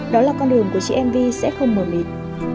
đó là con đường của chị em vi sẽ không mở mịt